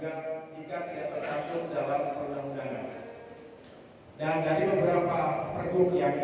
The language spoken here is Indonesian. dan juga jika tidak tercantum dalam perundang undangan